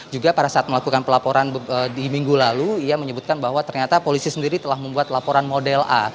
juga pada saat melakukan pelaporan di minggu lalu ia menyebutkan bahwa ternyata polisi sendiri telah membuat laporan model a